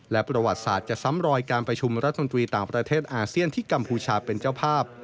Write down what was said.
และประวัติศาสตร์จะซ้ำรอยการประชุมรัฐมนตรีต่างประเทศอาเซียนที่กัมพูชาเป็นเจ้าภาพ